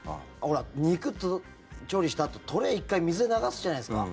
肉調理したあと、トレー１回水で流すじゃないですか。